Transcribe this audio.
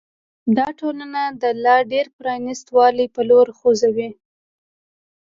دا ټولنه د لا ډېر پرانیست والي په لور خوځوي.